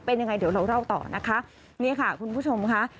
เป็นยังไงเดี๋ยวเราเล่าต่อนะคะนี่ค่ะคุณผู้ชมค่ะ